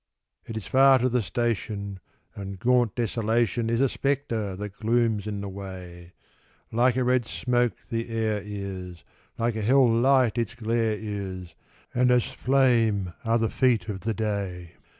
It is far to the station, and gaunt Desolation Is a spectre that glooms in the way; Like a red smoke the air is, like a hell light its glare is, And as flame are the feet of the day.